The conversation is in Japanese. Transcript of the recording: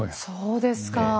そうですか。